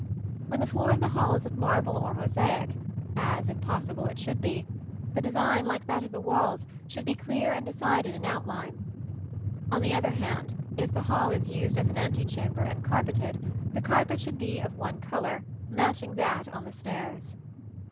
When the floor of the hall is of marble or mosaic, as, if possible, it should be, the design, like that of the walls, should be clear and decided in outline (see Plate XXX). On the other hand, if the hall is used as an antechamber and carpeted, the carpet should be of one color, matching that on the stairs.